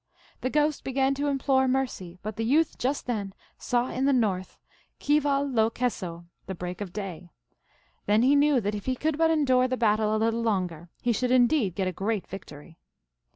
The Ghost began to implore mercy, but the youth just then saw in the north Kwal lo kesso, the break of day. Then he knew that if he could but endure the battle a little longer he should indeed get a great victory.